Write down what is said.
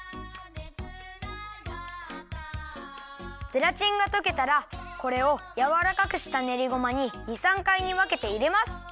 ゼラチンがとけたらこれをやわらかくしたねりごまに２３かいにわけていれます。